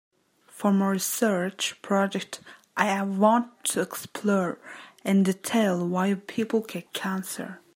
For my research project I want to explore in detail why people get cancer.